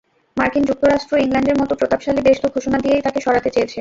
মার্কিন যুক্তরাষ্ট্র, ইংল্যান্ডের মতো প্রতাপশালী দেশ তো ঘোষণা দিয়েই তাঁকে সরাতে চেয়েছে।